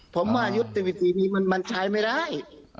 ผมว่ายุดที่ปีที่นี้มันใช้ไม่ได้